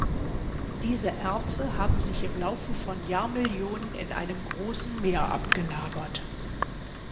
Diese Erze haben sich im Laufe von Jahrmillionen in einem großen Meer abgelagert.